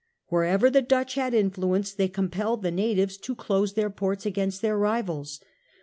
Wherever the Dutch had influence they compelled the natives to close their ports against their rivals.